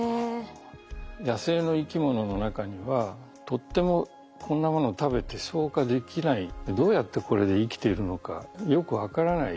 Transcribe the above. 野生の生き物の中にはとってもこんなものを食べて消化できないどうやってこれで生きてるのかよく分からない